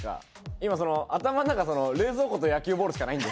今その頭の中冷蔵庫と野球ボールしかないんで。